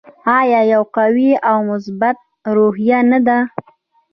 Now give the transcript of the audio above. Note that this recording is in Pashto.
آیا یوه قوي او مثبته روحیه نه ده؟